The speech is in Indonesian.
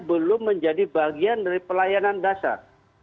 belum menjadi bagian dari pelayanan dasar